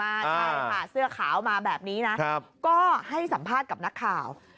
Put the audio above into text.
ใช่ค่ะเสื้อขาวมาแบบนี้นะก็ให้สัมภาษณ์กับนักข่าว